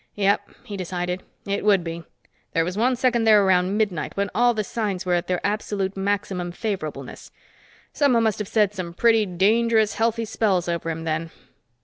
"Yeah," he decided. "It would be. There was one second there around midnight when all the signs were at their absolute maximum favorableness. Someone must have said some pretty dangerous health spells over him then."